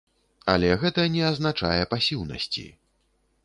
Але гэта не азначае пасіўнасці.